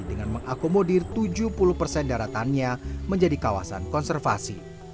dengan mengakomodir tujuh puluh persen daratannya menjadi kawasan konservasi